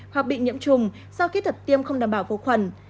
hoặc bị nhiễm trùng sau khi thật tiêm không đảm bảo vô khuẩn